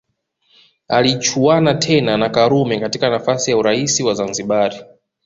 Alichuana tena na Karume katika nafasi ya urais wa Zanzibari